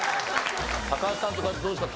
高橋さんとかはどうですか？